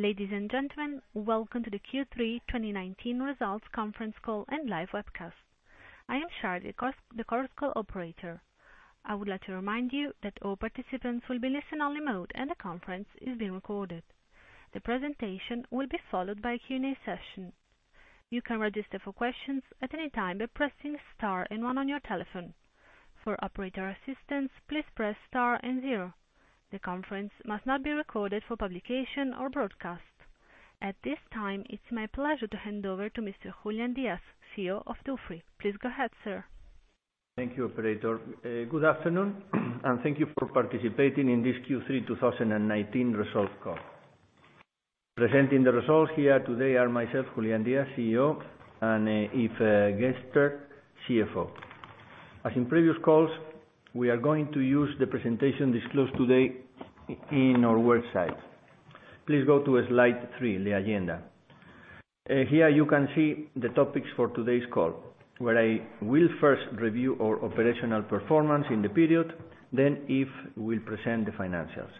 Ladies and gentlemen, welcome to the Q3 2019 results conference call and live webcast. I am Charlie, the conference call operator. I would like to remind you that all participants will be in listen-only mode, and the conference is being recorded. The presentation will be followed by a Q&A session. You can register for questions at any time by pressing star and one on your telephone. For operator assistance, please press star and zero. The conference must not be recorded for publication or broadcast. At this time, it's my pleasure to hand over to Mr. Julián Díaz, CEO of Dufry. Please go ahead, sir. Thank you, operator. Good afternoon, and thank you for participating in this Q3 2019 results call. Presenting the results here today are myself, Julián Díaz, CEO, and Yves Gerster, CFO. As in previous calls, we are going to use the presentation disclosed today in our website. Please go to slide three, the agenda. Here you can see the topics for today's call, where I will first review our operational performance in the period, then Yves will present the financials.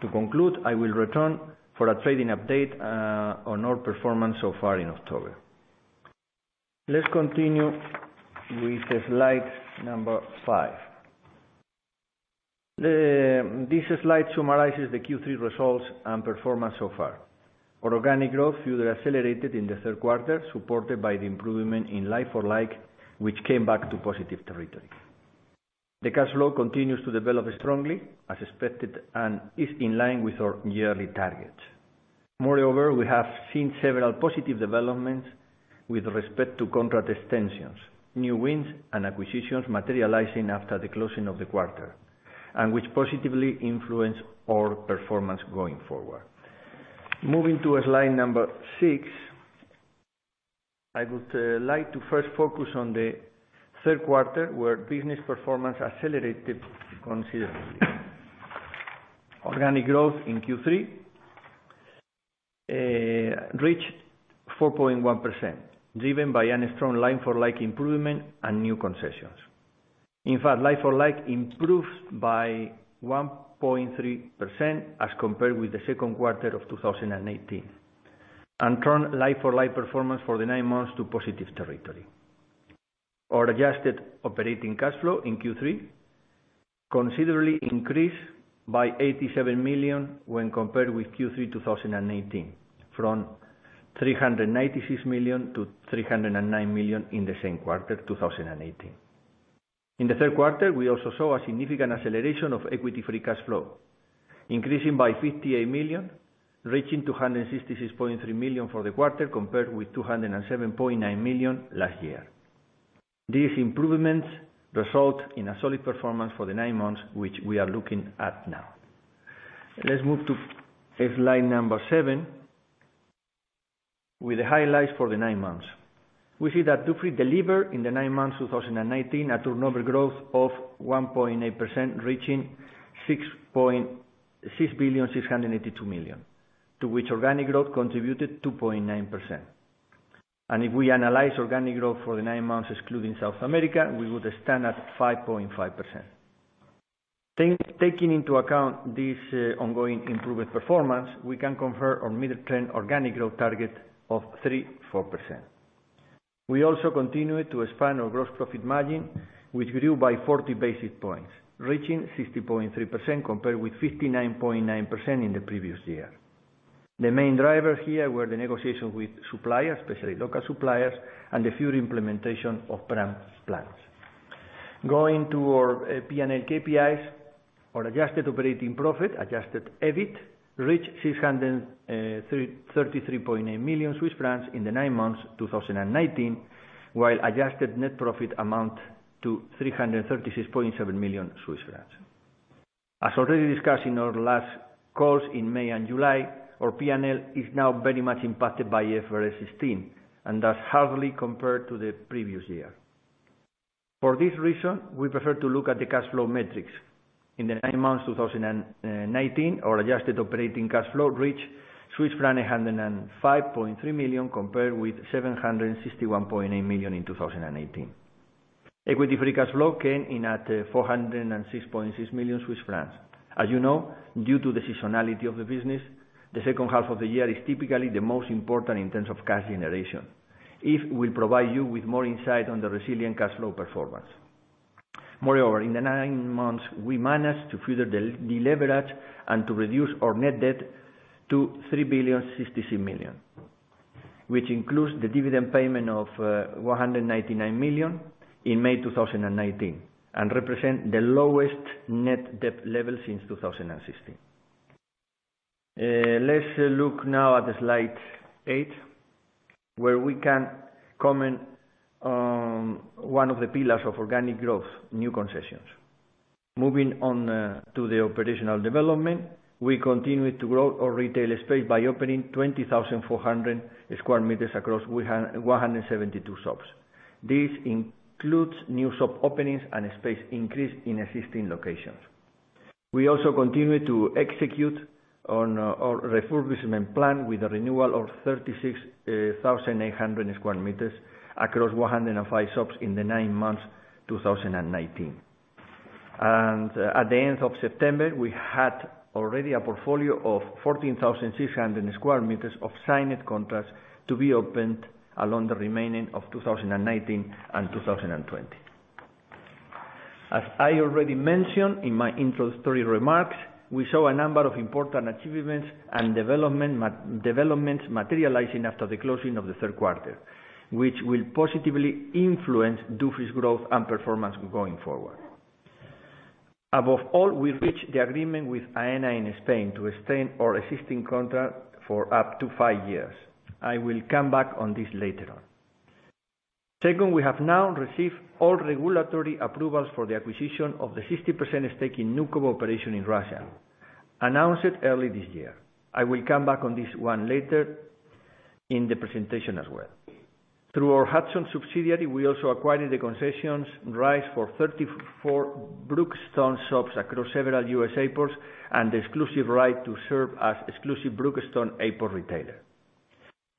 To conclude, I will return for a trading update on our performance so far in October. Let's continue with slide number five. This slide summarizes the Q3 results and performance so far. Our organic growth further accelerated in the third quarter, supported by the improvement in like-for-like, which came back to positive territory. The cash flow continues to develop strongly as expected and is in line with our yearly targets. Moreover, we have seen several positive developments with respect to contract extensions, new wins, and acquisitions materializing after the closing of the quarter, and which positively influence our performance going forward. Moving to slide number 6, I would like to first focus on the third quarter, where business performance accelerated considerably. Organic growth in Q3 reached 4.1%, driven by a strong like-for-like improvement and new concessions. In fact, like-for-like improved by 1.3% as compared with the second quarter of 2018, and turned like-for-like performance for the nine months to positive territory. Our adjusted operating cash flow in Q3 considerably increased by 87 million when compared with Q3 2018, from 396 million to 309 million in the same quarter 2018. In the third quarter, we also saw a significant acceleration of equity free cash flow, increasing by 58 million, reaching 266.3 million for the quarter, compared with 207.9 million last year. These improvements result in a solid performance for the nine months, which we are looking at now. Let's move to slide number seven, with the highlights for the nine months. We see that Dufry delivered in the nine months 2019, a turnover growth of 1.8%, reaching 6.6 billion, 682 million, to which organic growth contributed 2.9%. If we analyze organic growth for the nine months, excluding South America, we would stand at 5.5%. Taking into account this ongoing improved performance, we can confirm our mid-term organic growth target of 3%-4%. We also continue to expand our gross profit margin, which grew by 40 basis points, reaching 60.3% compared with 59.9% in the previous year. The main drivers here were the negotiation with suppliers, especially local suppliers, and the further implementation of brand plans. Going to our P&L KPIs, our adjusted operating profit, adjusted EBIT, reached 633.8 million Swiss francs in the nine months 2019, while adjusted net profit amounted to 336.7 million Swiss francs. As already discussed in our last calls in May and July, our P&L is now very much impacted by IFRS 16, thus hardly compared to the previous year. For this reason, we prefer to look at the cash flow metrics. In the nine months 2019, our adjusted operating cash flow reached Swiss franc 805.3 million, compared with 761.8 million in 2018. Equity free cash flow came in at 406.6 million Swiss francs. As you know, due to the seasonality of the business, the second half of the year is typically the most important in terms of cash generation. Yves will provide you with more insight on the resilient cash flow performance. Moreover, in the nine months, we managed to further deleverage and to reduce our net debt to 3.066 billion, which includes the dividend payment of 199 million in May 2019 and represent the lowest net debt level since 2016. Let's look now at slide eight, where we can comment on one of the pillars of organic growth, new concessions. Moving on to the operational development, we continue to grow our retail space by opening 20,400 sq m across 172 shops. This includes new shop openings and space increase in existing locations. We also continue to execute on our refurbishment plan with a renewal of 36,800 sq m across 105 shops in the nine months 2019. At the end of September, we had already a portfolio of 14,600 sq m of signed contracts to be opened along the remaining of 2019 and 2020. As I already mentioned in my introductory remarks, we saw a number of important achievements and developments materializing after the closing of the third quarter, which will positively influence Dufry's growth and performance going forward. Above all, we reached the agreement with Aena in Spain to extend our existing contract for up to five years. I will come back on this later on. Second, we have now received all regulatory approvals for the acquisition of the 60% stake in Newco operation in Russia, announced early this year. I will come back on this one later in the presentation as well. Through our Hudson subsidiary, we also acquired the concessions rights for 34 Brookstone shops across several U.S. airports and the exclusive right to serve as exclusive Brookstone airport retailer.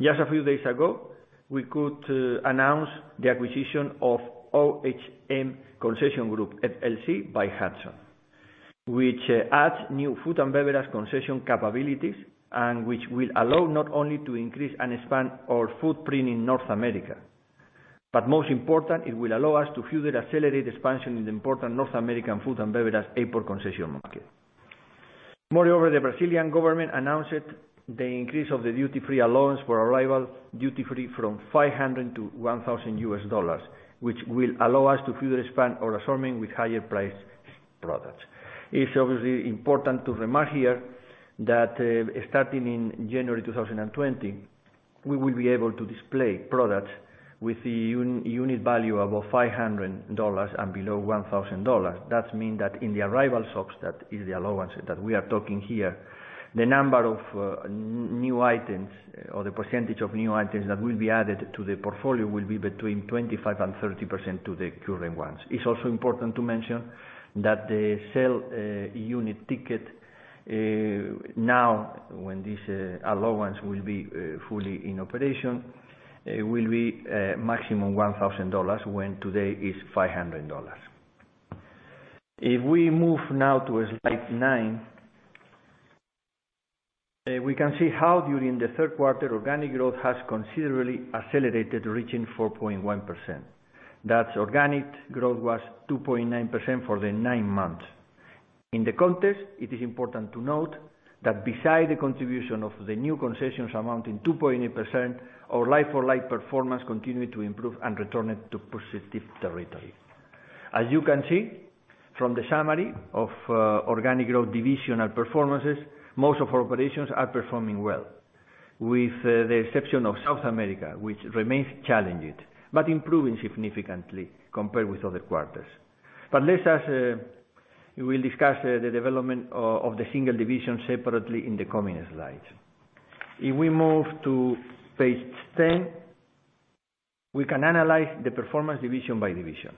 Just a few days ago, we could announce the acquisition of OHM Concession Group LLC by Hudson, which adds new food and beverage concession capabilities, and which will allow not only to increase and expand our footprint in North America, but most important, it will allow us to further accelerate expansion in the important North American food and beverage airport concession market. Moreover, the Brazilian government announced the increase of the duty-free allowance for arrival duty-free from $500-$1,000 U.S., which will allow us to further expand our assortment with higher priced products. It's obviously important to remark here that, starting in January 2020, we will be able to display products with the unit value above $500 and below $1,000. That means that in the arrival shops, that is the allowance that we are talking here, the number of new items or the percentage of new items that will be added to the portfolio will be between 25% and 30% to the current ones. It is also important to mention that the sell unit ticket, now, when this allowance will be fully in operation, will be maximum CHF 1,000, when today it is CHF 500. If we move now to slide nine, we can see how during the third quarter, organic growth has considerably accelerated, reaching 4.1%. That organic growth was 2.9% for the nine months. In the context, it is important to note that beside the contribution of the new concessions amounting 2.8%, our like-for-like performance continued to improve and returned to positive territory. As you can see from the summary of organic growth divisional performances, most of our operations are performing well, with the exception of South America, which remains challenged, but improving significantly compared with other quarters. Let's discuss the development of the single division separately in the coming slides. If we move to page 10, we can analyze the performance division by division.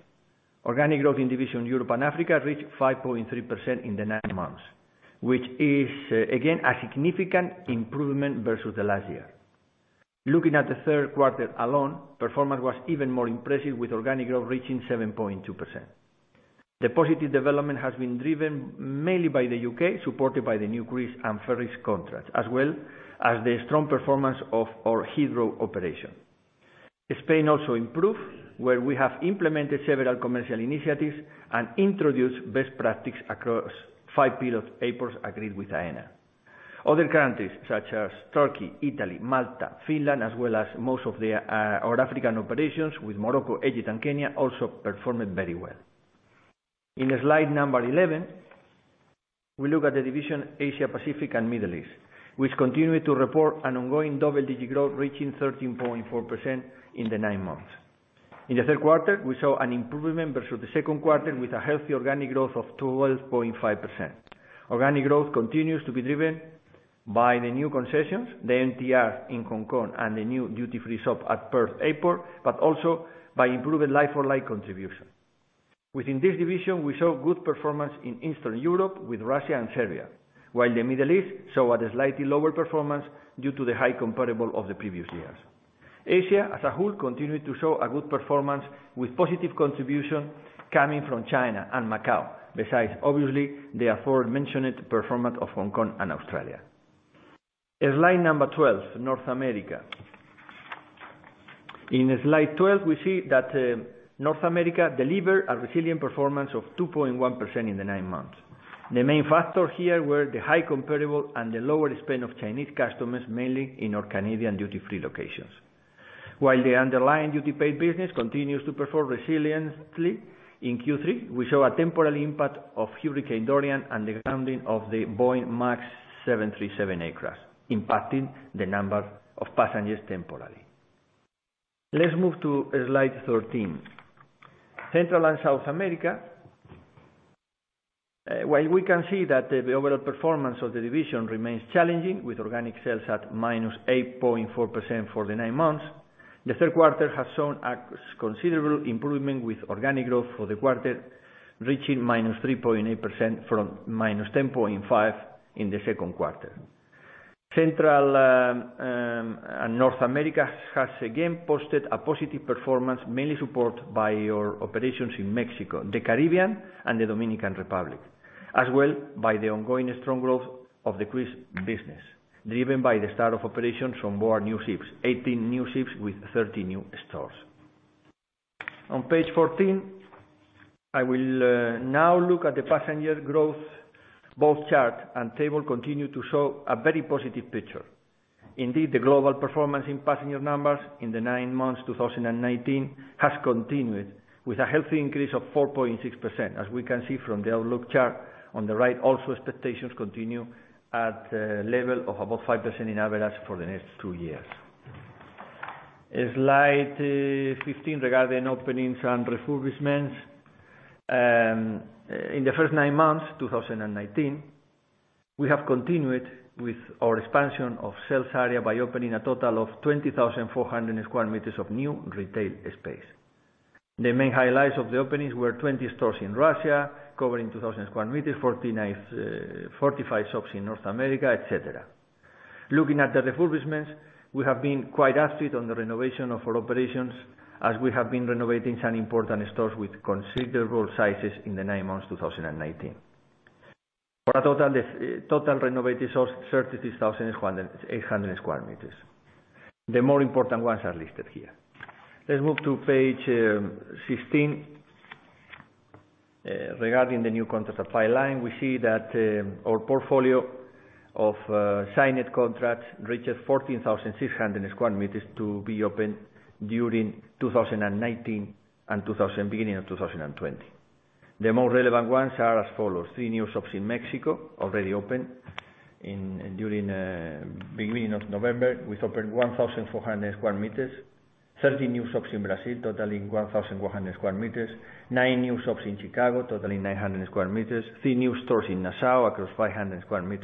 Organic growth in division Europe and Africa reached 5.3% in the nine months, which is, again, a significant improvement versus the last year. Looking at the third quarter alone, performance was even more impressive, with organic growth reaching 7.2%. The positive development has been driven mainly by the U.K., supported by the new Greece and Ferries contracts, as well as the strong performance of our Heathrow operation. Spain also improved, where we have implemented several commercial initiatives and introduced best practice across five pilot airports agreed with Aena. Other countries such as Turkey, Italy, Malta, Finland, as well as most of our African operations with Morocco, Egypt, and Kenya also performed very well. In slide number 11, we look at the division Asia, Pacific and Middle East, which continued to report an ongoing double-digit growth, reaching 13.4% in the nine months. In the third quarter, we saw an improvement versus the second quarter with a healthy organic growth of 12.5%. Organic growth continues to be driven by the new concessions, the MTR in Hong Kong, and the new duty-free shop at Perth Airport, but also by improved like-for-like contribution. Within this division, we saw good performance in Eastern Europe with Russia and Serbia, while the Middle East saw a slightly lower performance due to the high comparable of the previous years. Asia, as a whole, continued to show a good performance with positive contribution coming from China and Macau. Besides, obviously, the aforementioned performance of Hong Kong and Australia. Slide number 12, North America. In Slide 12, we see that North America delivered a resilient performance of 2.1% in the nine months. The main factor here were the high comparable and the lower spend of Chinese customers, mainly in our Canadian duty-free locations. While the underlying duty paid business continues to perform resiliently, in Q3, we saw a temporary impact of Hurricane Dorian and the grounding of the Boeing 737 MAX aircraft, impacting the number of passengers temporarily. Let's move to Slide 13. Central and South America. While we can see that the overall performance of the division remains challenging, with organic sales at -8.4% for the nine months, the third quarter has shown a considerable improvement, with organic growth for the quarter reaching -3.8% from -10.5% in the second quarter. Central and North America has again posted a positive performance, mainly supported by our operations in Mexico, the Caribbean, and the Dominican Republic, as well as by the ongoing strong growth of the cruise business, driven by the start of operations from board new ships, 18 new ships with 30 new stores. On page 14, I will now look at the passenger growth. Both chart and table continue to show a very positive picture. Indeed, the global performance in passenger numbers in the nine months 2019 has continued with a healthy increase of 4.6%, as we can see from the outlook chart on the right. Also, expectations continue at the level of about 5% on average for the next two years. Slide 15, regarding openings and refurbishments. In the first nine months 2019, we have continued with our expansion of sales area by opening a total of 20,400 sq m of new retail space. The main highlights of the openings were 20 stores in Russia, covering 2,000 sq m, 45 shops in North America, et cetera. Looking at the refurbishments, we have been quite active on the renovation of our operations, as we have been renovating some important stores with considerable sizes in the nine months 2019. For a total renovated sales, 30,800 sq m. The more important ones are listed here. Let's move to page 16. Regarding the new contract supply line, we see that our portfolio of signed contracts reaches 14,600 sq m to be opened during 2019 and beginning of 2020. The most relevant ones are as follows: three new shops in Mexico, already open during beginning of November. We've opened 1,400 sq m, 30 new shops in Brazil totaling 1,100 sq m, nine new shops in Chicago totaling 900 sq m, three new stores in Nassau across 500 sq m,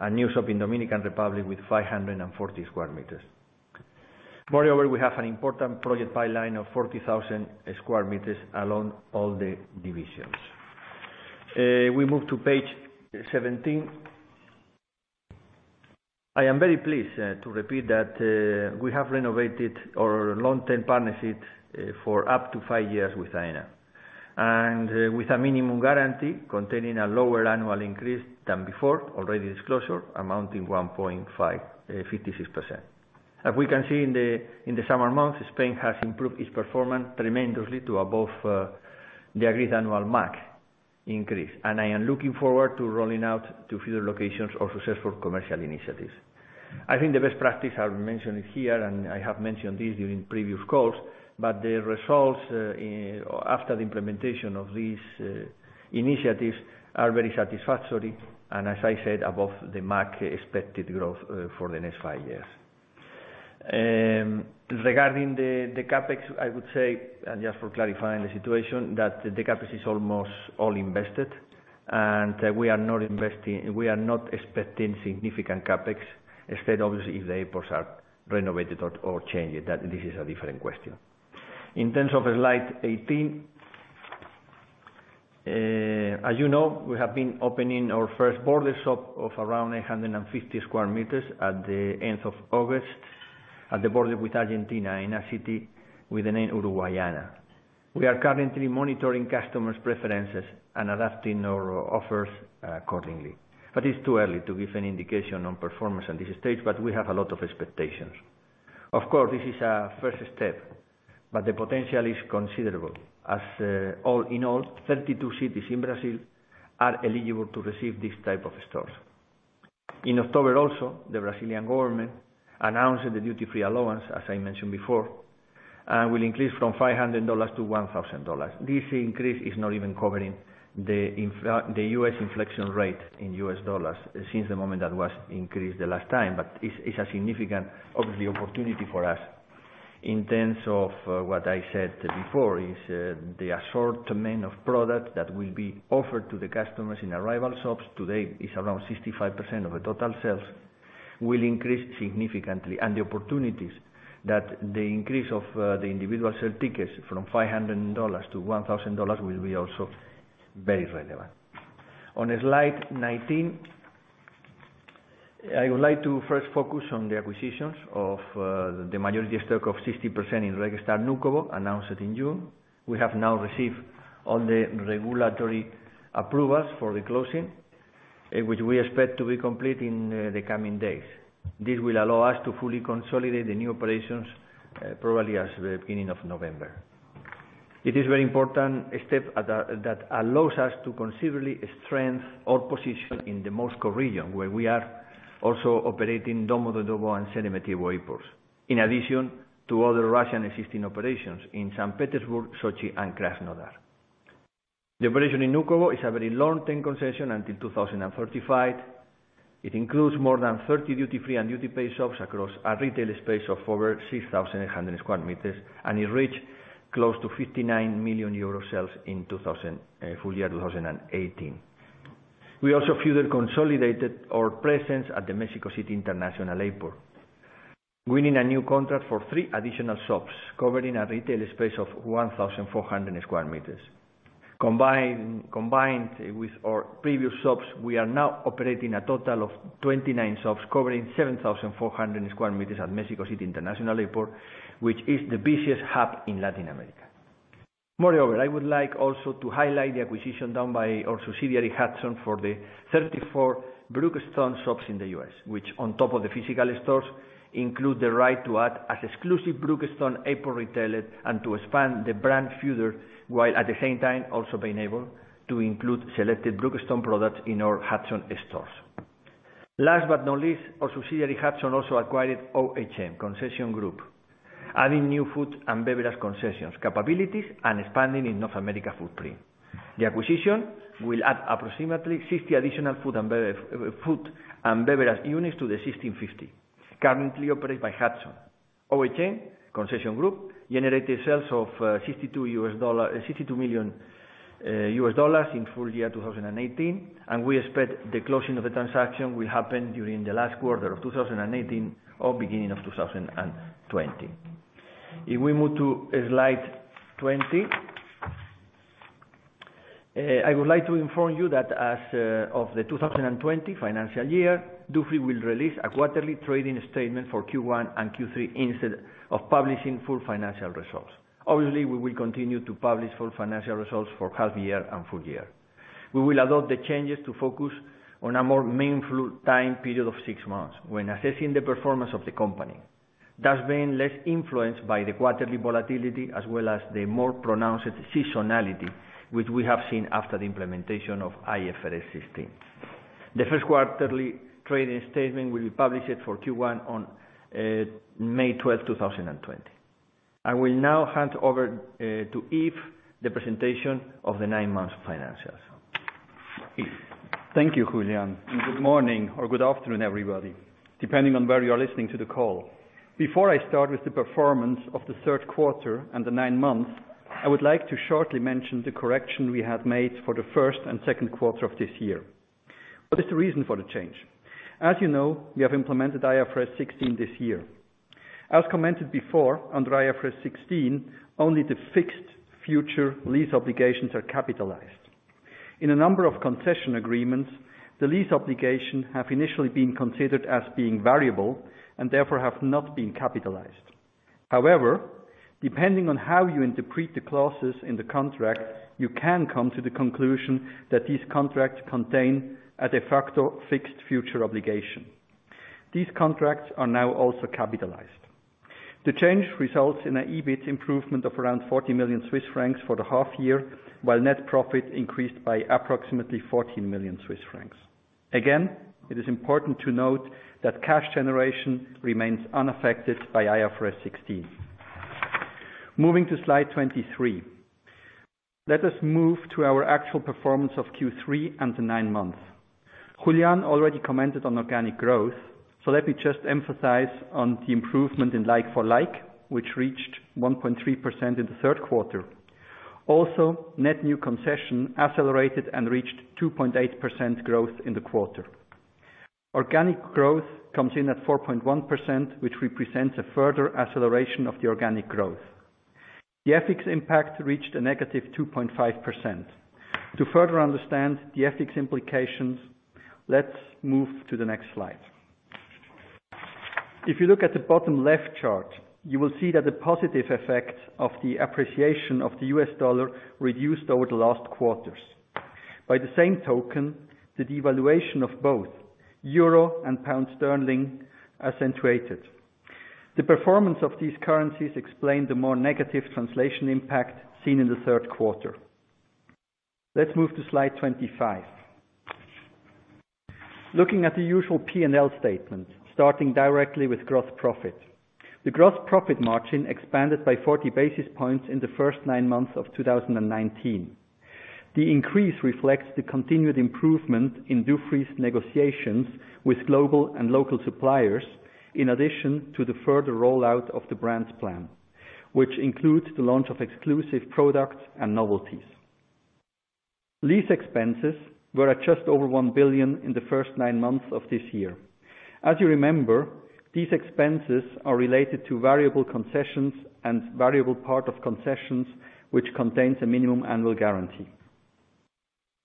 a new shop in Dominican Republic with 540 sq m. Moreover, we have an important project pipeline of 40,000 sq m along all the divisions. We move to page 17. I am very pleased to repeat that we have renovated our long-term partnership for up to five years with Aena, and with a minimum guarantee containing a lower annual increase than before, already disclosure amounting 1.56%. As we can see in the summer months, Spain has improved its performance tremendously to above the agreed annual max increase. I am looking forward to rolling out to further locations our successful commercial initiatives. I think the best practice, I will mention it here, and I have mentioned this during previous calls, but the results after the implementation of these initiatives are very satisfactory, and as I said, above the max expected growth for the next five years. Regarding the CapEx, I would say, just for clarifying the situation, that the CapEx is almost all invested, and we are not expecting significant CapEx, except obviously if the airports are renovated or changed, this is a different question. In terms of slide 18, as you know, we have been opening our first border shop of around 850 sq m at the end of August at the border with Argentina in a city with the name Uruguaiana. We are currently monitoring customers' preferences and adapting our offers accordingly. It's too early to give an indication on performance at this stage, but we have a lot of expectations. Of course, this is a first step, but the potential is considerable as all in all, 32 cities in Brazil are eligible to receive these type of stores. In October, also, the Brazilian government announced the duty-free allowance, as I mentioned before, will increase from $500 to $1,000. This increase is not even covering the U.S. inflation rate in U.S. dollars since the moment that was increased the last time, but it's a significant, obviously, opportunity for us. In terms of what I said before is the assortment of products that will be offered to the customers in arrival shops today is around 65% of the total sales will increase significantly. The opportunities that the increase of the individual sale tickets from CHF 500 to CHF 1,000 will be also very relevant. On slide 19, I would like to first focus on the acquisitions of the majority stock of 60% in RegStaer Vnukovo, announced in June. We have now received all the regulatory approvals for the closing, which we expect to be complete in the coming days. This will allow us to fully consolidate the new operations, probably as the beginning of November. It is very important step that allows us to considerably strengthen our position in the Moscow region, where we are also operating Domodedovo and Sheremetyevo Airports. In addition to other Russian existing operations in St. Petersburg, Sochi, and Krasnodar. The operation in Vnukovo is a very long-term concession until 2035. It includes more than 30 duty-free and duty-paid shops across a retail space of over 6,100 sq m. It reached close to 59 million euro sales in full year 2018. We also further consolidated our presence at the Mexico City International Airport, winning a new contract for three additional shops covering a retail space of 1,400 sq m. Combined with our previous shops, we are now operating a total of 29 shops covering 7,400 sq m at Mexico City International Airport, which is the busiest hub in Latin America. I would like also to highlight the acquisition done by our subsidiary, Hudson, for the 34 Brookstone shops in the U.S., which on top of the physical stores, include the right to add as exclusive Brookstone airport retailer and to expand the brand further, while at the same time also being able to include selected Brookstone products in our Hudson stores. Last but not least, our subsidiary Hudson also acquired OHM Concession Group, adding new food and beverage concessions capabilities and expanding in North America footprint. The acquisition will add approximately 60 additional food and beverage units to the 1,650 currently operated by Hudson. OHM Concession Group generated sales of $62 million in full year 2018, and we expect the closing of the transaction will happen during the last quarter of 2018 or beginning of 2020. If we move to slide 20. I would like to inform you that as of the 2020 financial year, Dufry will release a quarterly trading statement for Q1 and Q3 instead of publishing full financial results. We will continue to publish full financial results for half year and full year. We will adopt the changes to focus on a more meaningful time period of six months when assessing the performance of the company. Being less influenced by the quarterly volatility as well as the more pronounced seasonality, which we have seen after the implementation of IFRS 16. The first quarterly trading statement will be published for Q1 on May 12th, 2020. I will now hand over to Yves the presentation of the nine months financials. Yves. Thank you, Julián. Good morning or good afternoon, everybody, depending on where you're listening to the call. Before I start with the performance of the third quarter and the nine months, I would like to shortly mention the correction we had made for the first and second quarter of this year. What is the reason for the change? As you know, we have implemented IFRS 16 this year. As commented before, under IFRS 16, only the fixed future lease obligations are capitalized. In a number of concession agreements, the lease obligation have initially been considered as being variable, and therefore have not been capitalized. Depending on how you interpret the clauses in the contract, you can come to the conclusion that these contracts contain a de facto fixed future obligation. These contracts are now also capitalized. The change results in an EBIT improvement of around 40 million Swiss francs for the half year, while net profit increased by approximately 14 million Swiss francs. Again, it is important to note that cash generation remains unaffected by IFRS 16. Moving to slide 23. Let us move to our actual performance of Q3 and the nine months. Julián already commented on organic growth, so let me just emphasize on the improvement in like-for-like, which reached 1.3% in the third quarter. Net new concession accelerated and reached 2.8% growth in the quarter. Organic growth comes in at 4.1%, which represents a further acceleration of the organic growth. The FX impact reached a negative 2.5%. To further understand the FX implications, let's move to the next slide. If you look at the bottom left chart, you will see that the positive effect of the appreciation of the US dollar reduced over the last quarters. By the same token, the devaluation of both euro and pound sterling accentuated. The performance of these currencies explain the more negative translation impact seen in the third quarter. Let's move to slide 25. Looking at the usual P&L statement, starting directly with gross profit. The gross profit margin expanded by 40 basis points in the first nine months of 2019. The increase reflects the continued improvement in Dufry's negotiations with global and local suppliers, in addition to the further rollout of the brand plans, which includes the launch of exclusive products and novelties. Lease expenses were at just over 1 billion in the first nine months of this year. As you remember, these expenses are related to variable concessions and variable part of concessions, which contains a minimum annual guarantee.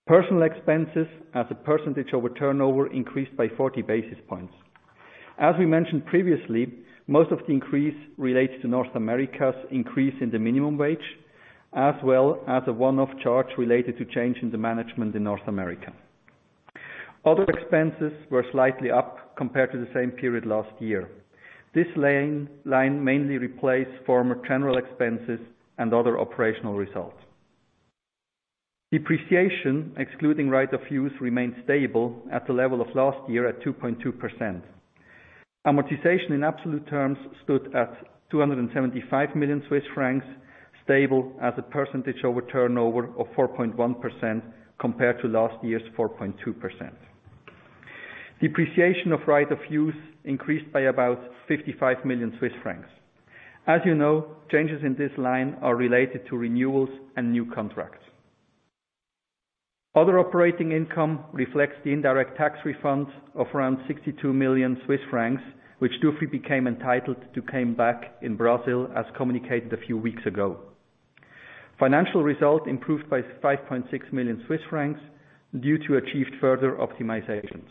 Personal expenses as a percentage over turnover increased by 40 basis points. As we mentioned previously, most of the increase relates to North America's increase in the minimum wage, as well as a one-off charge related to change in the management in North America. Other expenses were slightly up compared to the same period last year. This line mainly replaced former general expenses and other operational results. Depreciation excluding right of use remained stable at the level of last year at 2.2%. Amortization in absolute terms stood at 275 million Swiss francs, stable as a percentage over turnover of 4.1% compared to last year's 4.2%. Depreciation of right of use increased by about 55 million Swiss francs. As you know, changes in this line are related to renewals and new contracts. Other operating income reflects the indirect tax refunds of around 62 million Swiss francs, which Dufry became entitled to claim back in Brazil, as communicated a few weeks ago. Financial result improved by 5.6 million Swiss francs due to achieved further optimizations.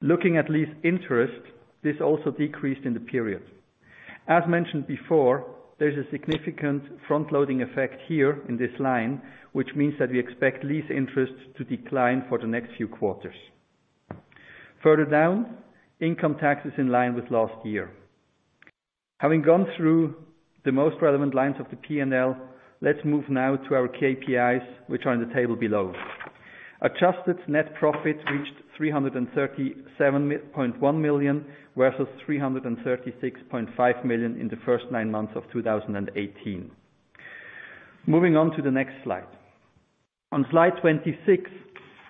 Looking at lease interest, this also decreased in the period. As mentioned before, there's a significant front-loading effect here in this line, which means that we expect lease interest to decline for the next few quarters. Further down, income tax is in line with last year. Having gone through the most relevant lines of the P&L, let's move now to our KPIs, which are in the table below. Adjusted net profit reached 337.1 million, versus 336.5 million in the first nine months of 2018. Moving on to the next slide. On slide 26,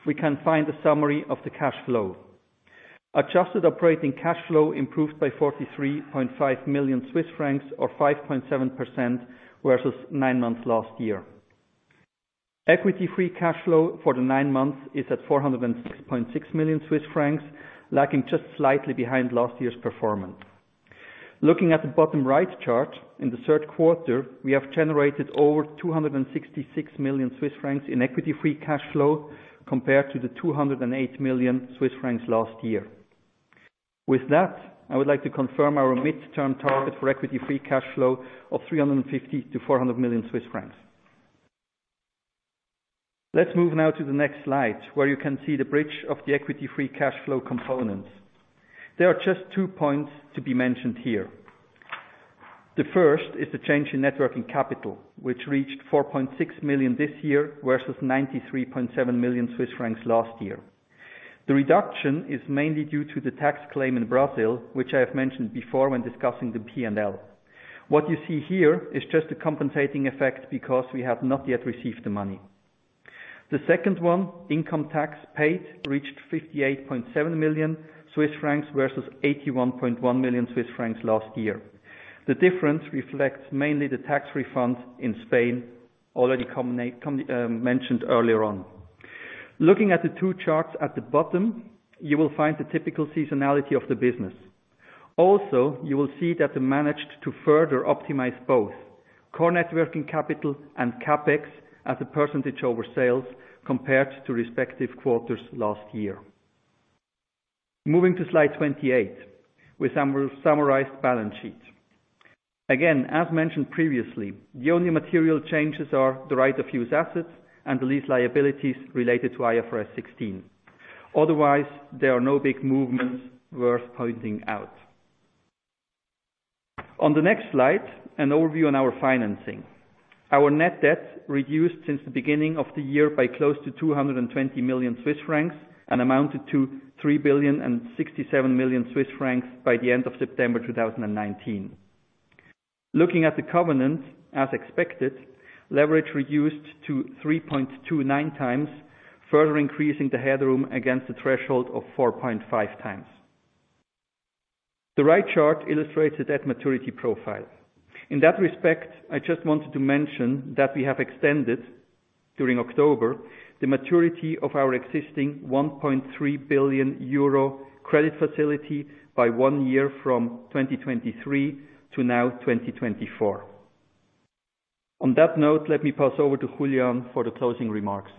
we can find a summary of the cash flow. Adjusted operating cash flow improved by 43.5 million Swiss francs or 5.7% versus nine months last year. Equity free cash flow for the nine months is at 406.6 million Swiss francs, lacking just slightly behind last year's performance. Looking at the bottom right chart, in the third quarter, we have generated over 266 million Swiss francs in equity free cash flow compared to the 208 million Swiss francs last year. With that, I would like to confirm our midterm target for equity free cash flow of 350 million-400 million Swiss francs. Let's move now to the next slide, where you can see the bridge of the equity free cash flow components. There are just two points to be mentioned here. The first is the change in net working capital, which reached 4.6 million this year versus 93.7 million Swiss francs last year. The reduction is mainly due to the tax claim in Brazil, which I have mentioned before when discussing the P&L. What you see here is just a compensating effect because we have not yet received the money. The second one, income tax paid, reached 58.7 million Swiss francs versus 81.1 million Swiss francs last year. The difference reflects mainly the tax refund in Spain, already mentioned earlier on. Looking at the two charts at the bottom, you will find the typical seasonality of the business. Also, you will see that we managed to further optimize both core net working capital and CapEx as a percentage over sales compared to respective quarters last year. Moving to slide 28. With a summarized balance sheet. As mentioned previously, the only material changes are the right of use assets and the lease liabilities related to IFRS 16. There are no big movements worth pointing out. On the next slide, an overview on our financing. Our net debt reduced since the beginning of the year by close to 220 million Swiss francs and amounted to 3 billion 67 million by the end of September 2019. Looking at the covenant, as expected, leverage reduced to 3.29 times, further increasing the headroom against the threshold of 4.5 times. The right chart illustrates the debt maturity profile. In that respect, I just wanted to mention that we have extended, during October, the maturity of our existing 1.3 billion euro credit facility by one year from 2023 to now 2024. Let me pass over to Julián for the closing remarks.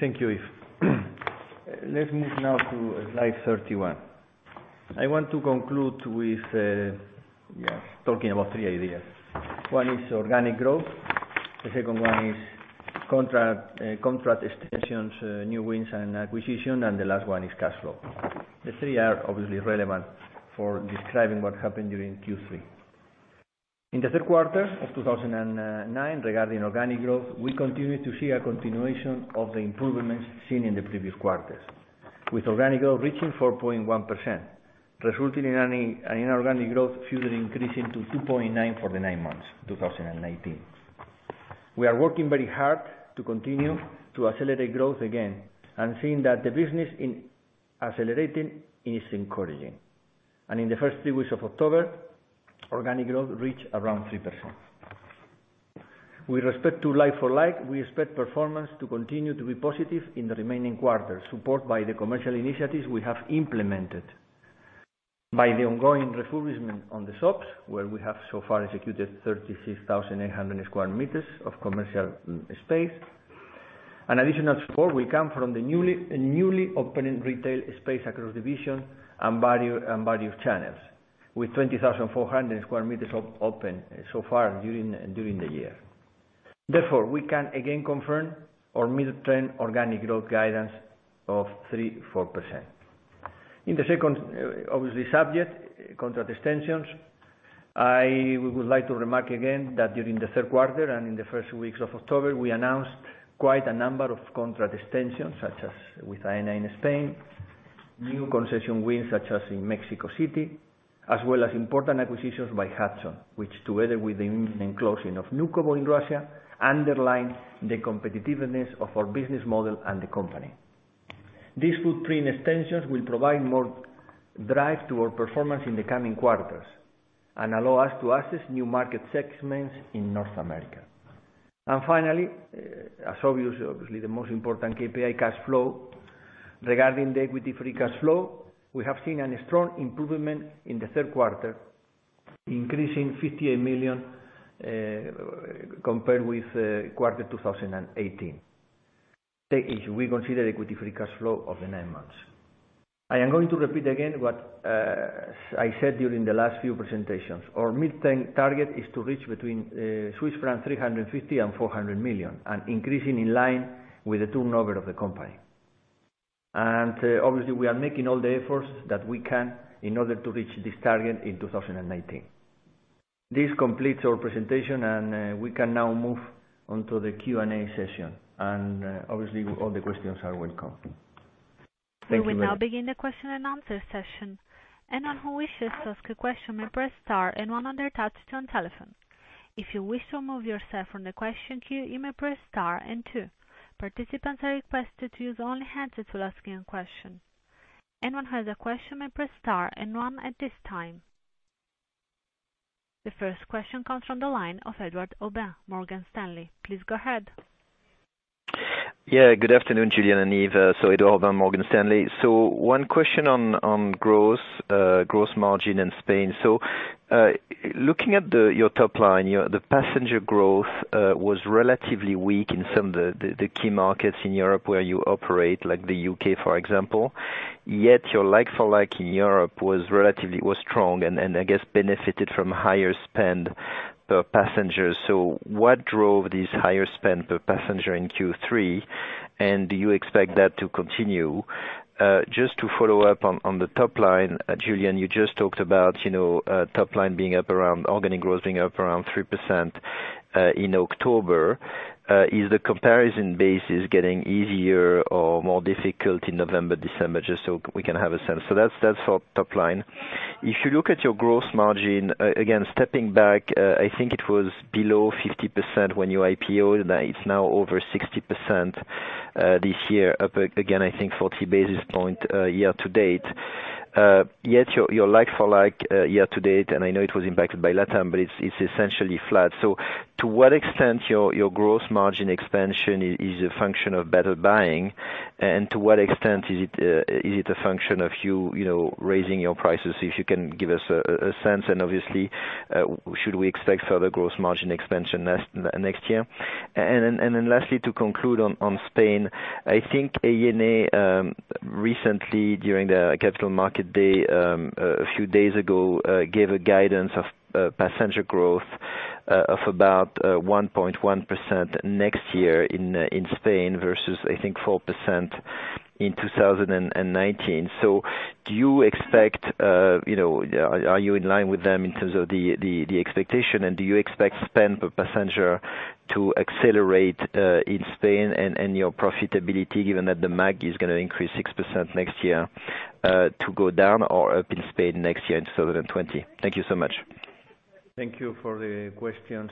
Thank you, Yves. Let's move now to slide 31. I want to conclude with talking about three ideas. One is organic growth, the second one is contract extensions, new wins, and acquisition, and the last one is cash flow. The three are obviously relevant for describing what happened during Q3. In the third quarter of 2019, regarding organic growth, we continue to see a continuation of the improvements seen in the previous quarters, with organic growth reaching 4.1%, resulting in an organic growth further increasing to 2.9% for the nine months 2019. We are working very hard to continue to accelerate growth again, and seeing that the business is accelerating is encouraging. In the first three weeks of October, organic growth reached around 3%. With respect to like-for-like, we expect performance to continue to be positive in the remaining quarters, supported by the commercial initiatives we have implemented. By the ongoing refurbishment on the shops, where we have so far executed 36,800 square meters of commercial space. An additional support will come from the newly opening retail space across divisions and various channels, with 20,400 square meters open so far during the year. We can again confirm our midterm organic growth guidance of 3%-4%. In the second obvious subject, contract extensions. I would like to remark again that during the third quarter and in the first weeks of October, we announced quite a number of contract extensions, such as with Aena in Spain, new concession wins such as in Mexico City, as well as important acquisitions by Hudson, which together with the closing of Vnukovo in Russia, underlines the competitiveness of our business model and the company. These footprint extensions will provide more drive to our performance in the coming quarters and allow us to access new market segments in North America. Finally, as obviously the most important KPI, cash flow. Regarding the equity free cash flow, we have seen a strong improvement in the third quarter, increasing 58 million, compared with quarter 2018. We consider equity free cash flow of the nine months. I am going to repeat again what I said during the last few presentations. Our mid-term target is to reach between Swiss francs 350 million and 400 million, and increasing in line with the turnover of the company. Obviously we are making all the efforts that we can in order to reach this target in 2019. This completes our presentation and we can now move on to the Q&A session. Obviously all the questions are welcome. Thank you very much. We will now begin the question and answer session. Anyone who wishes to ask a question may press star and one on their touchtone telephone. If you wish to remove yourself from the question queue, you may press star and two. Participants are requested to use only hands to asking a question. Anyone has a question may press star and one at this time. The first question comes from the line of Edouard Aubin, Morgan Stanley. Please go ahead. Yeah. Good afternoon, Julián and Yves. Edouard Aubin, Morgan Stanley. One question on gross profit margin in Spain. Looking at your top line, the passenger growth, was relatively weak in some of the key markets in Europe where you operate, like the U.K., for example. Yet your like-for-like in Europe was relatively strong and I guess benefited from higher spend per passenger. What drove this higher spend per passenger in Q3, and do you expect that to continue? Just to follow up on the top line, Julián, you just talked about, top line being up around, organic growth being up around 3% in October. Is the comparison basis getting easier or more difficult in November, December, just so we can have a sense. That's for top line. If you look at your gross profit margin, again, stepping back, I think it was below 50% when you IPO'd. It's now over 60%, this year up, again, I think 40 basis points, year-to-date. Yet your like-for-like, year-to-date, and I know it was impacted by LATAM, but it's essentially flat. To what extent your gross profit margin expansion is a function of better buying, and to what extent is it a function of you raising your prices? If you can give us a sense and obviously, should we expect further gross profit margin expansion next year? Lastly, to conclude on Spain, I think Aena, recently during the capital market day, a few days ago, gave a guidance of passenger growth of about 1.1% next year in Spain versus I think 4% in 2019. Do you expect, are you in line with them in terms of the expectation, and do you expect spend per passenger to accelerate, in Spain and your profitability given that the MAG is going to increase 6% next year, to go down or up in Spain next year in 2020? Thank you so much. Thank you for the questions.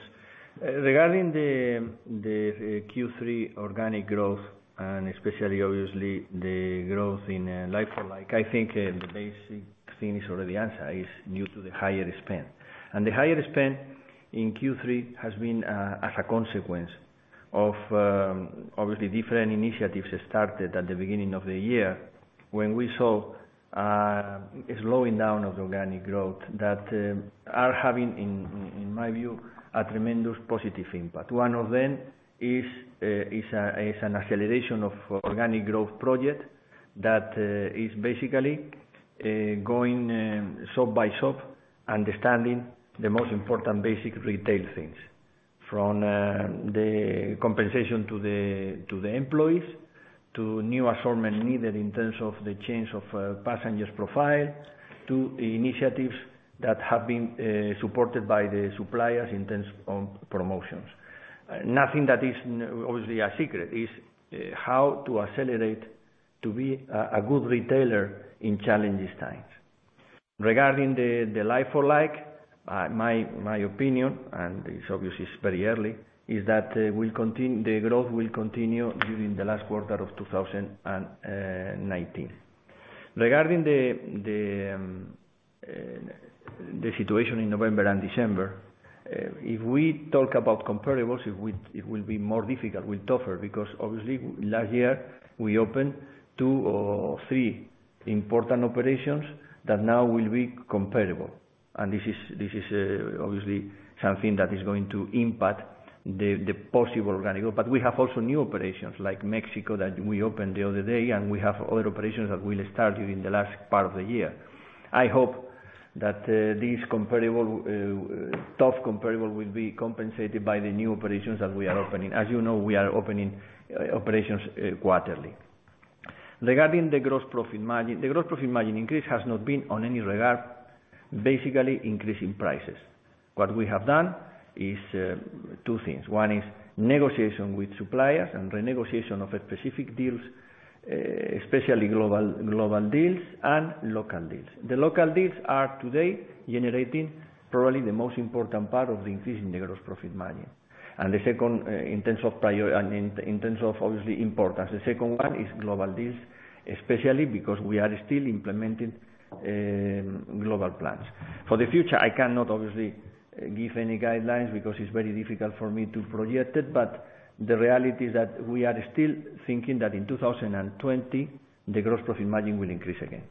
Regarding the Q3 organic growth and especially obviously the growth in like-for-like, I think the basic thing is already answered, is new to the higher spend. The higher spend in Q3 has been, as a consequence of, obviously different initiatives started at the beginning of the year when we saw a slowing down of the organic growth that are having, in my view, a tremendous positive impact. One of them is an acceleration of organic growth project that is basically, going shop by shop, understanding the most important basic retail things. From the compensation to the employees, to new assortment needed in terms of the change of passengers profile, to initiatives that have been supported by the suppliers in terms of promotions. Nothing that is obviously a secret, is how to accelerate to be a good retailer in challenging times. Regarding the like-for-like, my opinion, and it's obvious it's very early, is that the growth will continue during the last quarter of 2019. Regarding the situation in November and December, if we talk about comparables, it will be more difficult. It will be tougher, because obviously last year we opened two or three important operations that now will be comparable. This is obviously something that is going to impact the possible organic growth. We have also new operations like Mexico that we opened the other day, and we have other operations that will start during the last part of the year. I hope that these tough comparable will be compensated by the new operations that we are opening. As you know, we are opening operations quarterly. Regarding the gross profit margin, the gross profit margin increase has not been on any regard, basically increasing prices. What we have done is two things. One is negotiation with suppliers and renegotiation of specific deals, especially global deals and local deals. The local deals are today generating probably the most important part of the increase in the gross profit margin. The second, in terms of obviously importance, the second one is global deals, especially because we are still implementing global plans. For the future, I cannot obviously give any guidelines because it's very difficult for me to project it, but the reality is that we are still thinking that in 2020, the gross profit margin will increase again.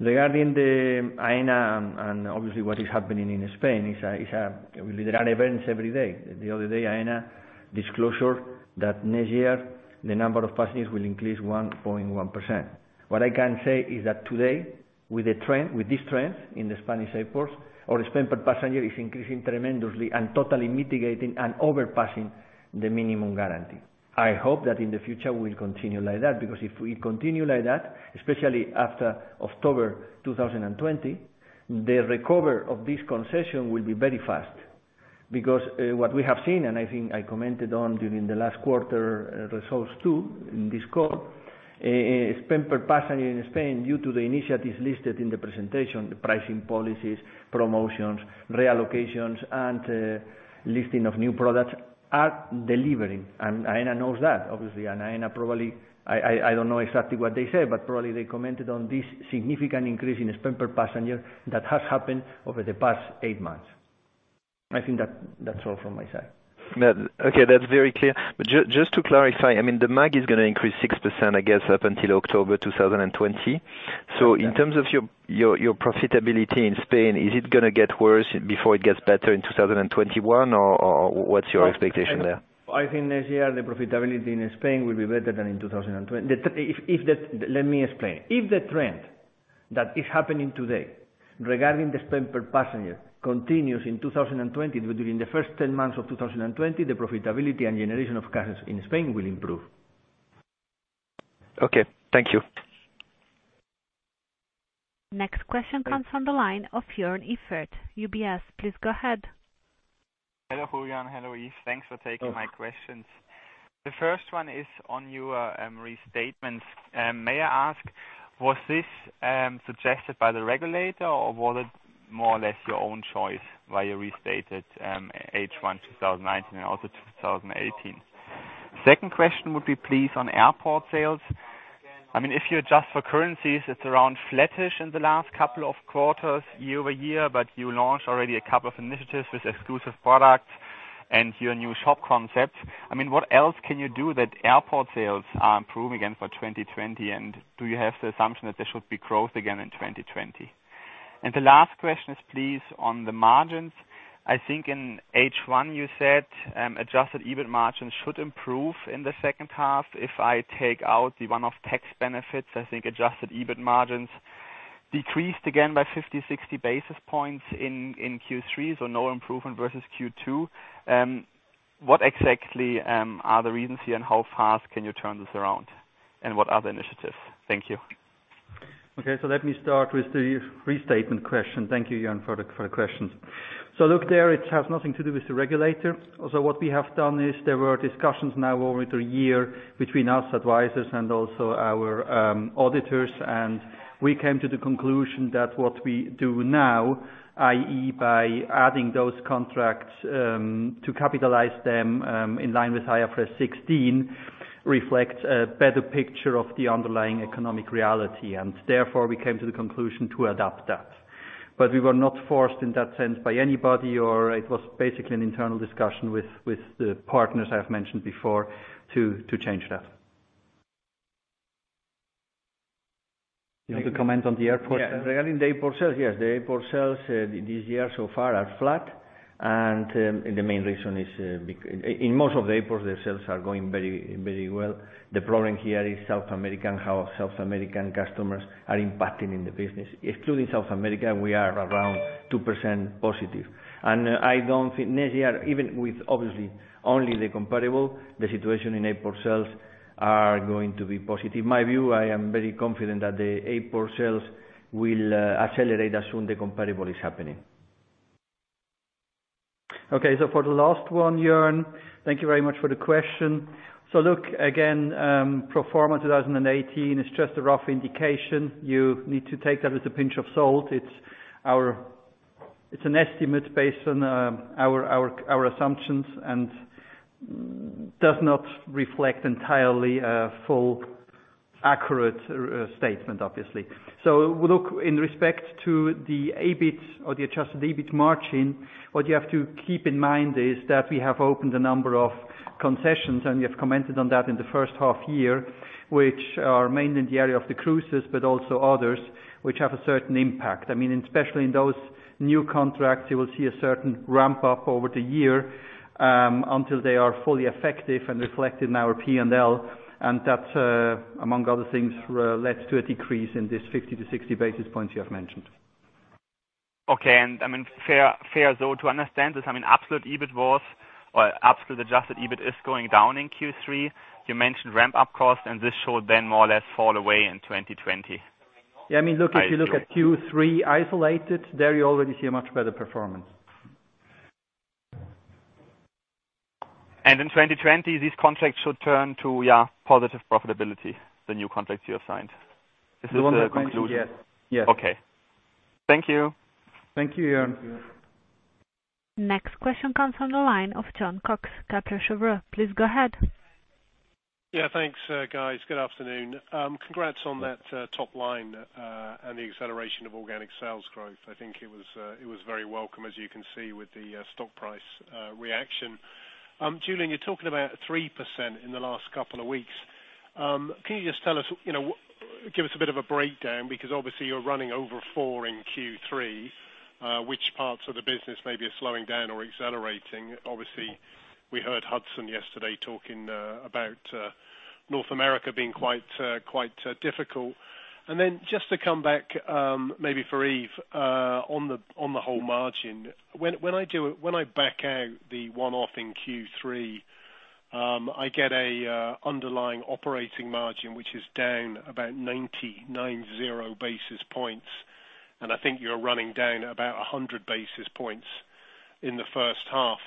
Regarding Aena, and obviously what is happening in Spain, there are events every day. The other day, Aena disclosed that next year, the number of passengers will increase 1.1%. What I can say is that today, with this trend in the Spanish airports, our spend per passenger is increasing tremendously and totally mitigating and overpassing the minimum guarantee. I hope that in the future, we'll continue like that, because if we continue like that, especially after October 2020, the recover of this concession will be very fast. What we have seen, and I think I commented on during the last quarter results too, in this call, spend per passenger in Spain due to the initiatives listed in the presentation, the pricing policies, promotions, reallocations, and listing of new products, are delivering. Aena knows that, obviously, Aena probably, I don't know exactly what they said, but probably they commented on this significant increase in spend per passenger that has happened over the past eight months. I think that's all from my side. Okay, that's very clear. Just to clarify, the MAG is going to increase 6%, I guess, up until October 2020. In terms of your profitability in Spain, is it going to get worse before it gets better in 2021? What's your expectation there? I think next year, the profitability in Spain will be better than in 2020. Let me explain. If the trend that is happening today regarding the spend per passenger continues in 2020, during the first 10 months of 2020, the profitability and generation of cash in Spain will improve. Okay. Thank you. Next question comes from the line of Joern Iffert, UBS. Please go ahead. Hello, Julián. Hello, Yves. Thanks for taking my questions. The first one is on your restatements. May I ask, was this suggested by the regulator, or was it more or less your own choice why you restated H1 2019 and also 2018? Second question would be, please, on airport sales. If you adjust for currencies, it's around flattish in the last couple of quarters year-over-year, but you launched already a couple of initiatives with exclusive products and your new shop concept. What else can you do that airport sales are improving again for 2020? Do you have the assumption that there should be growth again in 2020? The last question is, please, on the margins. I think in H1, you said adjusted EBIT margins should improve in the second half. If I take out the one-off tax benefits, I think adjusted EBIT margins decreased again by 50, 60 basis points in Q3, so no improvement versus Q2. What exactly are the reasons here, and how fast can you turn this around? What are the initiatives? Thank you. Okay. Let me start with the restatement question. Thank you, Joern, for the questions. Look, there it has nothing to do with the regulator. What we have done is there were discussions now over the year between us advisors and also our auditors, and we came to the conclusion that what we do now, i.e., by adding those contracts, to capitalize them in line with IFRS 16, reflects a better picture of the underlying economic reality, and therefore we came to the conclusion to adopt that. We were not forced in that sense by anybody, or it was basically an internal discussion with the partners I've mentioned before to change that. You want to comment on the airport? Yeah. Regarding the airport sales, yes. The airport sales this year so far are flat, and the main reason is in most of the airports, the sales are going very well. The problem here is South American, how South American customers are impacting the business. Excluding South America, we are around 2% positive. I don't think next year, even with obviously only the comparable, the situation in airport sales are going to be positive. My view, I am very confident that the airport sales will accelerate as soon the comparable is happening. Okay. For the last one, Jörn, thank you very much for the question. Look, again, pro forma 2018 is just a rough indication. You need to take that with a pinch of salt. It's an estimate based on our assumptions and does not reflect entirely a full accurate statement, obviously. Look, in respect to the EBIT or the adjusted EBIT margin, what you have to keep in mind is that we have opened a number of concessions, and we have commented on that in the first half year, which are mainly in the area of the cruises, but also others, which have a certain impact. In those new contracts, you will see a certain ramp-up over the year until they are fully effective and reflected in our P&L. That, among other things, led to a decrease in this 50-60 basis points you have mentioned. Okay. Fair so to understand this, absolute adjusted EBIT is going down in Q3. You mentioned ramp-up costs, this should then more or less fall away in 2020. Yeah, if you look at Q3 isolated, there you already see a much better performance. In 2020, these contracts should turn to positive profitability, the new contracts you have signed. Is this the conclusion? Yes. Okay. Thank you. Thank you, Jörn. Next question comes from the line of Jon Cox, Kepler Cheuvreux. Please go ahead. Yeah, thanks guys. Good afternoon. Congrats on that top line, and the acceleration of organic sales growth. I think it was very welcome, as you can see with the stock price reaction. Julián, you're talking about 3% in the last couple of weeks. Can you just give us a bit of a breakdown, because obviously you're running over four in Q3, which parts of the business maybe are slowing down or accelerating? Obviously, we heard Hudson yesterday talking about North America being quite difficult. Then just to come back, maybe for Yves, on the whole margin. When I back out the one-off in Q3, I get a underlying operating margin, which is down about 990 basis points, and I think you're running down about 100 basis points in the first half.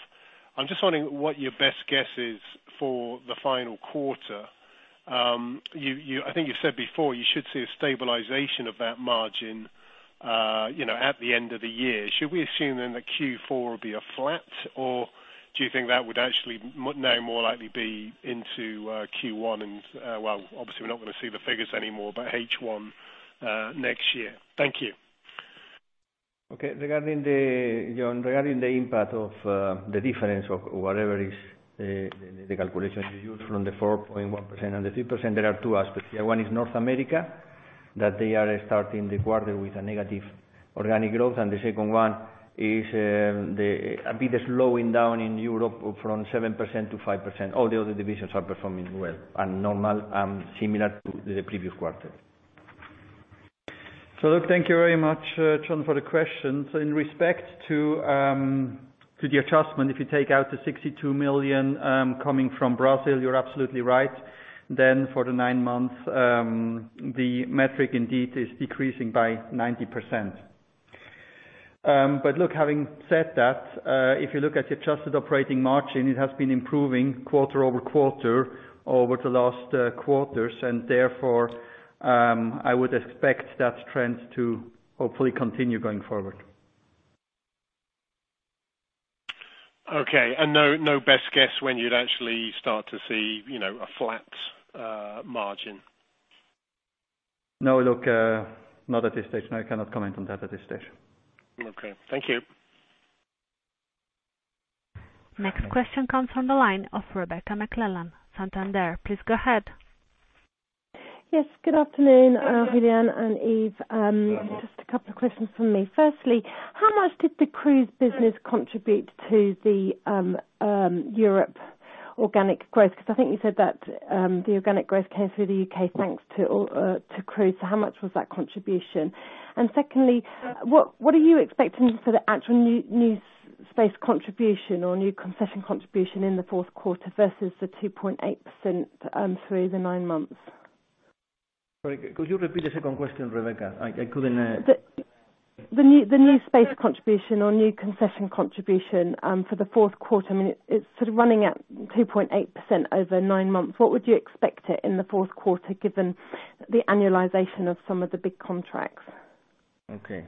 I'm just wondering what your best guess is for the final quarter. I think you said before you should see a stabilization of that margin at the end of the year. Should we assume then that Q4 will be a flat, or do you think that would actually now more likely be into Q1 and, well, obviously we're not going to see the figures anymore, but H1 next year? Thank you. Okay. Jon, regarding the impact of the difference of whatever is the calculation you use from the 4.1% and the 3%, there are two aspects here. One is North America, that they are starting the quarter with a negative organic growth. The second one is a bit of slowing down in Europe from 7% to 5%. All the other divisions are performing well and normal, and similar to the previous quarter. Look, thank you very much, Jon, for the question. In respect to the adjustment, if you take out the 62 million coming from Brazil, you're absolutely right. For the nine months, the metric indeed is decreasing by 90%. Look, having said that, if you look at the adjusted operating margin, it has been improving quarter-over-quarter over the last quarters, and therefore, I would expect that trend to hopefully continue going forward. Okay. No best guess when you'd actually start to see a flat margin? No. Look, not at this stage. No, I cannot comment on that at this stage. Okay. Thank you. Next question comes from the line of Rebecca McClellan, Santander. Please go ahead. Good afternoon, Julián and Yves. Just a couple of questions from me. Firstly, how much did the cruise business contribute to the Europe organic growth? I think you said that the organic growth came through the U.K. thanks to cruise. How much was that contribution? Secondly, what are you expecting for the actual new space contribution or new concession contribution in the fourth quarter versus the 2.8% through the nine months? Sorry, could you repeat the second question, Rebecca? I couldn't. The new space contribution or new concession contribution for the fourth quarter, it's sort of running at 2.8% over nine months. What would you expect it in the fourth quarter given the annualization of some of the big contracts? Okay.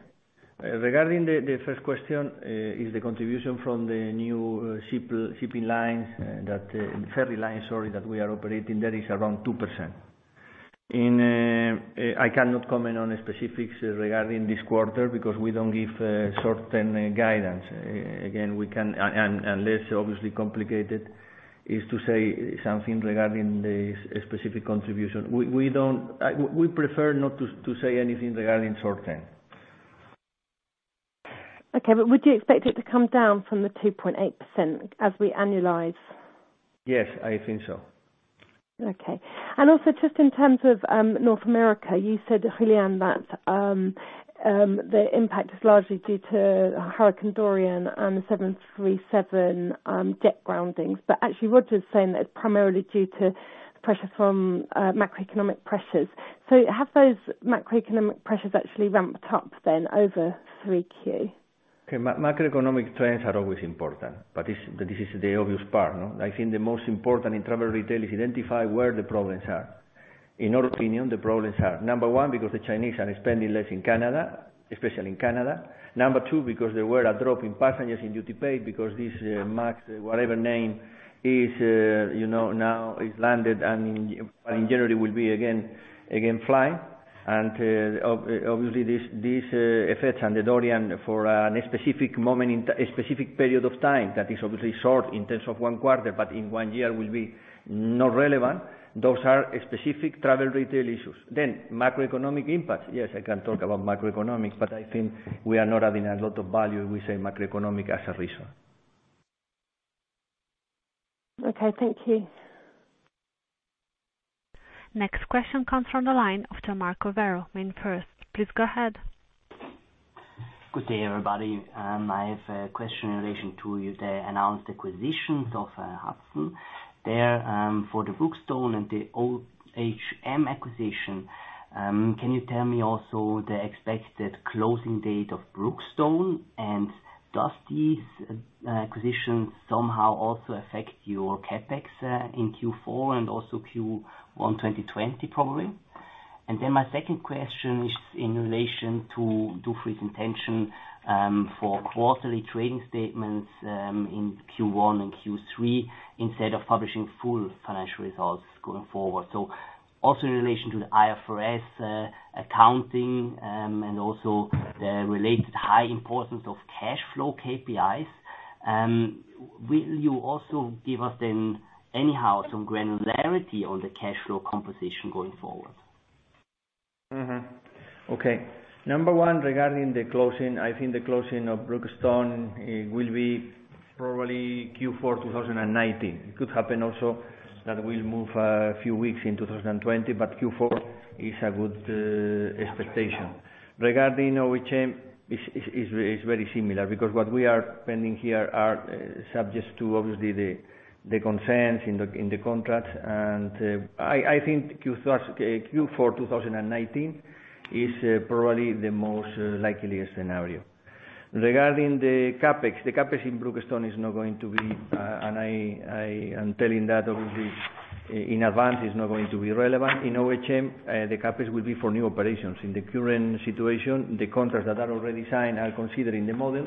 Regarding the first question, is the contribution from the new shipping line, ferry lines, sorry, that we are operating. That is around two%. I cannot comment on specifics regarding this quarter because we don't give short-term guidance. Again, unless obviously complicated, is to say something regarding the specific contribution. We prefer not to say anything regarding short-term. Okay. Would you expect it to come down from the 2.8% as we annualize? Yes, I think so. Okay. Also just in terms of North America, you said, Julián, that the impact is largely due to Hurricane Dorian and the 737 MAX groundings. Actually Roger is saying that it's primarily due to pressure from macroeconomic pressures. Have those macroeconomic pressures actually ramped up then over 3Q? Okay. Macroeconomic trends are always important, but this is the obvious part. I think the most important in travel retail is identify where the problems are. In our opinion, the problems are, Number one, because the Chinese are spending less in Canada, especially in Canada. Number two, because there were a drop in passengers in duty paid because this MAX, whatever name, now is landed and in January will be again flying. Obviously these effects and the Dorian for a specific period of time, that is obviously short in terms of one quarter, but in one year will be not relevant. Those are specific travel retail issues. Macroeconomic impacts. Yes, I can talk about macroeconomics, but I think we are not adding a lot of value if we say macroeconomic as a reason. Okay. Thank you. Next question comes from the line of Marco Werro, MainFirst. Please go ahead. Good day, everybody. I have a question in relation to the announced acquisitions of Hudson. There, for the Brookstone and the OHM acquisition, can you tell me also the expected closing date of Brookstone? Does this acquisition somehow also affect your CapEx in Q4 and also Q1 2020, probably? My second question is in relation to Dufry's intention for quarterly trading statements in Q1 and Q3, instead of publishing full financial results going forward. Also in relation to the IFRS accounting, and also the related high importance of cash flow KPIs, will you also give us then anyhow some granularity on the cash flow composition going forward? Mm-hmm. Okay. Number one, regarding the closing, I think the closing of Brookstone will be probably Q4 2019. It could happen also that we'll move a few weeks in 2020, Q4 is a good expectation. Regarding OHM, it's very similar, because what we are pending here are subject to, obviously, the consents in the contract. I think Q4 2019 is probably the most likeliest scenario. Regarding the CapEx, the CapEx in Brookstone is not going to be, and I am telling that, obviously, in advance, it's not going to be relevant. In OHM, the CapEx will be for new operations. In the current situation, the contracts that are already signed are considered in the model.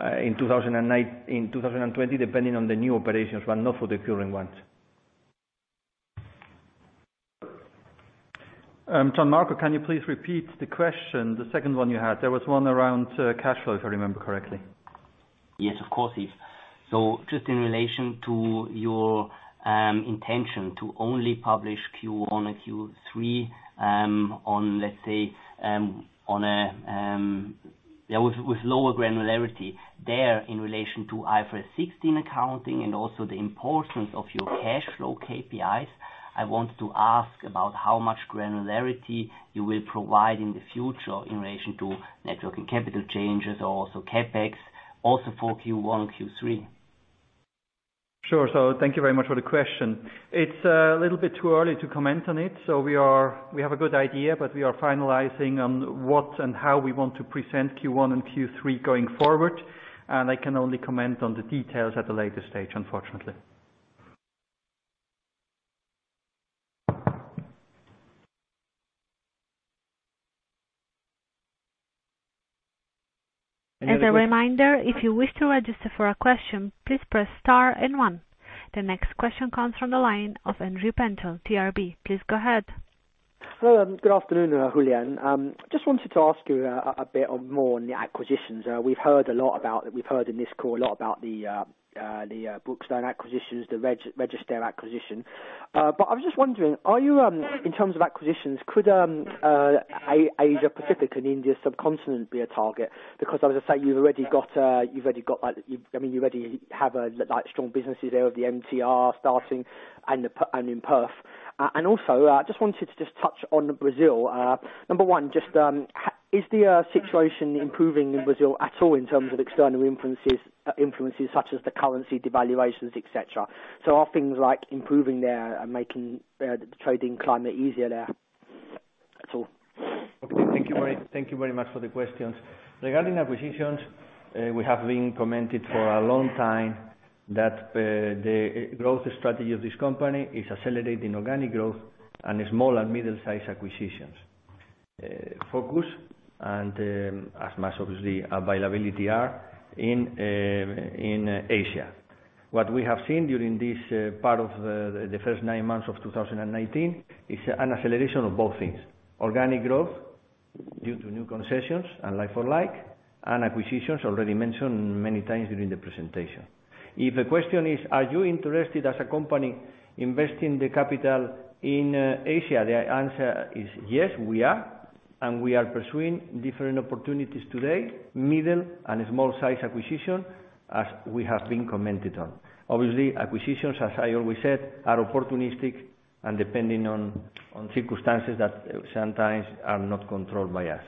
In 2020, depending on the new operations, but not for the current ones. Gian-Marco, can you please repeat the question, the second one you had? There was one around cash flow, if I remember correctly. Yes, of course, Yves. Just in relation to your intention to only publish Q1 and Q3 with lower granularity. There, in relation to IFRS 16 accounting and also the importance of your cash flow KPIs, I want to ask about how much granularity you will provide in the future in relation to net working capital changes or also CapEx, also for Q1 and Q3. Sure. Thank you very much for the question. It's a little bit too early to comment on it. We have a good idea, but we are finalizing on what and how we want to present Q1 and Q3 going forward, and I can only comment on the details at a later stage, unfortunately. As a reminder, if you wish to register for a question, please press star and one. The next question comes from the line of Andrew Pentol, TRB. Please go ahead. Hello, good afternoon, Julián. Just wanted to ask you a bit more on the acquisitions. We've heard in this call a lot about the Brookstone acquisitions, the RegStaer acquisition. I was just wondering, in terms of acquisitions, could Asia-Pacific and India subcontinent be a target? Because as I say, you already have strong businesses there with the MTR starting and in Perth. Also, just wanted to just touch on Brazil. Number 1, is the situation improving in Brazil at all in terms of external influences such as the currency devaluations, et cetera? Are things improving there and making the trading climate easier there? That's all. Okay. Thank you very much for the questions. Regarding acquisitions, we have been commented for a long time that the growth strategy of this company is accelerating organic growth and small and middle-sized acquisitions. Focus as much obviously availability are in Asia. What we have seen during this part of the first nine months of 2019 is an acceleration of both things. Organic growth due to new concessions and like-for-like, and acquisitions already mentioned many times during the presentation. If the question is, are you interested as a company investing the capital in Asia? The answer is yes, we are, and we are pursuing different opportunities today, middle and small-sized acquisition, as we have been commented on. Obviously, acquisitions, as I always said, are opportunistic and depending on circumstances that sometimes are not controlled by us.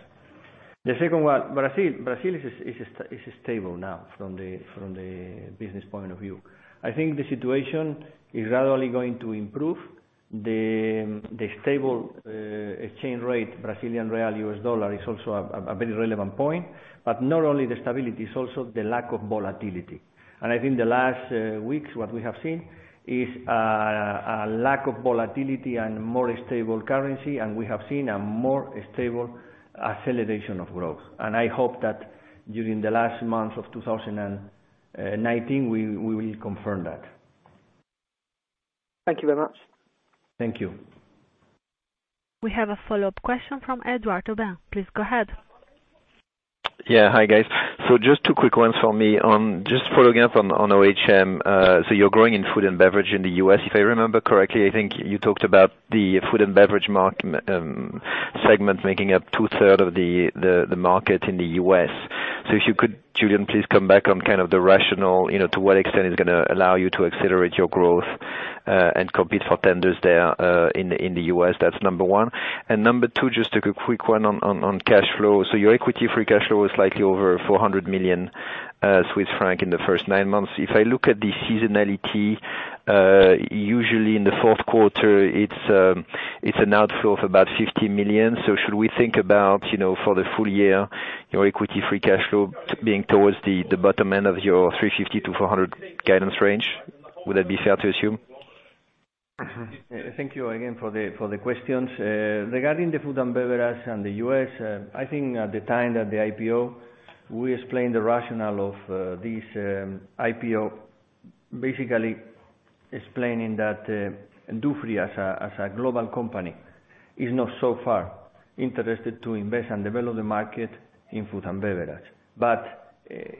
The second one, Brazil. Brazil is stable now from the business point of view. I think the situation is gradually going to improve. The stable exchange rate, Brazilian real to US dollar, is also a very relevant point. Not only the stability, it's also the lack of volatility. I think the last weeks, what we have seen is a lack of volatility and more stable currency, and we have seen a more stable acceleration of growth. I hope that during the last month of 2019, we will confirm that. Thank you very much. Thank you. We have a follow-up question from Edouard Aubin. Please go ahead. Yeah. Hi guys. Just two quick ones for me. Just following up on OHM. You're growing in food and beverage in the U.S. If I remember correctly, I think you talked about the food and beverage segment making up two-thirds of the market in the U.S. If you could, Julián, please come back on kind of the rational, to what extent it's going to allow you to accelerate your growth and compete for tenders there in the U.S. That's number one. Number two, just a quick one on cash flow. Your equity free cash flow is slightly over 400 million Swiss franc in the first nine months. If I look at the seasonality, usually in the fourth quarter, it's an outflow of about 50 million. Should we think about, for the full year, your equity free cash flow being towards the bottom end of your 350 million-400 million guidance range? Would that be fair to assume? Thank you again for the questions. Regarding the food and beverage and the U.S., I think at the time that the IPO, we explained the rationale of this IPO, basically explaining that Dufry as a global company is not so far interested to invest and develop the market in food and beverage.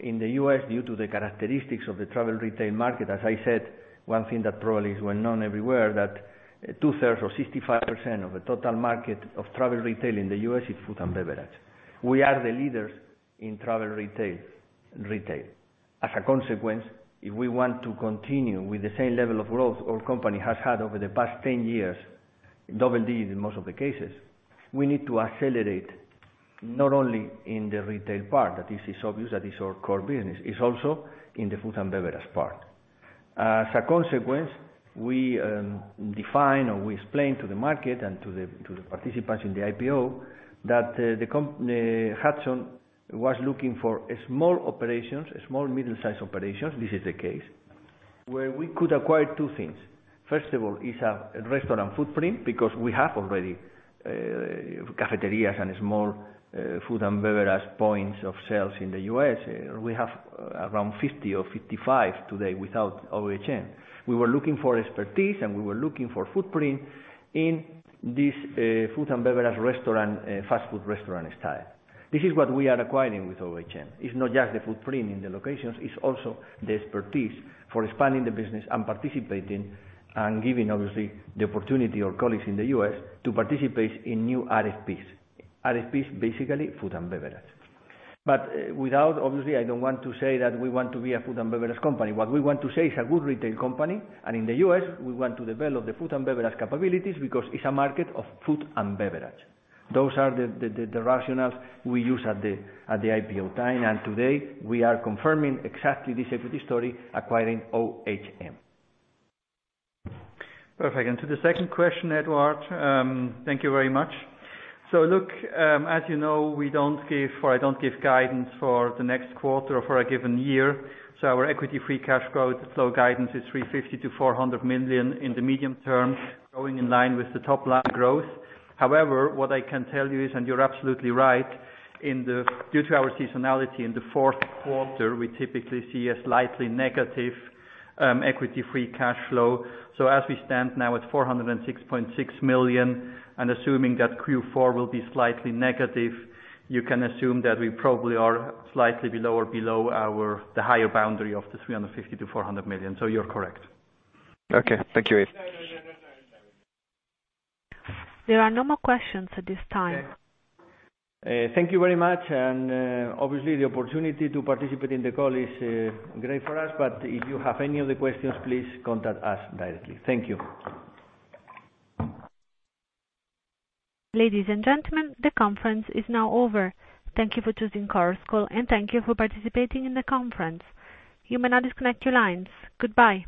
In the U.S., due to the characteristics of the travel retail market, as I said, one thing that probably is well-known everywhere, that two-thirds or 65% of the total market of travel retail in the U.S. is food and beverage. We are the leaders in travel retail. As a consequence, if we want to continue with the same level of growth our company has had over the past 10 years, double-digit in most of the cases, we need to accelerate not only in the retail part, that this is obvious, that is our core business, it is also in the food and beverage part. As a consequence, we define or we explain to the market and to the participants in the IPO that Hudson was looking for a small operations, a small middle-size operations, this is the case, where we could acquire two things. First of all is a restaurant footprint, because we have already cafeterias and small food and beverage points of sales in the U.S. We have around 50 or 55 today without OHM. We were looking for expertise, and we were looking for footprint in this food and beverage restaurant, fast food restaurant style. This is what we are acquiring with OHM. It's not just the footprint in the locations, it's also the expertise for expanding the business and participating and giving, obviously, the opportunity our colleagues in the U.S. to participate in new RFPs. RFPs, basically food and beverage. Without, obviously, I don't want to say that we want to be a food and beverage company. What we want to say is a good retail company, and in the U.S., we want to develop the food and beverage capabilities because it's a market of food and beverage. Those are the rationales we use at the IPO time, and today we are confirming exactly this equity story, acquiring OHM. Perfect. To the second question, Edouard, thank you very much. Look, as you know, we don't give, or I don't give guidance for the next quarter or for a given year. Our equity-free cash growth flow guidance is 350 million to 400 million in the medium term, growing in line with the top line growth. However, what I can tell you is, and you're absolutely right, due to our seasonality in the fourth quarter, we typically see a slightly negative equity-free cash flow. As we stand now at 406.6 million, and assuming that Q4 will be slightly negative, you can assume that we probably are slightly below or below the higher boundary of the 350 million to 400 million. You're correct. Okay. Thank you, Yves. There are no more questions at this time. Thank you very much. Obviously the opportunity to participate in the call is great for us, but if you have any other questions, please contact us directly. Thank you. Ladies and gentlemen, the conference is now over. Thank you for choosing Chorus Call, and thank you for participating in the conference. You may now disconnect your lines. Goodbye.